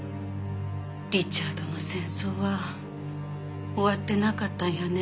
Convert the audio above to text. リチャードの戦争は終わってなかったんやね。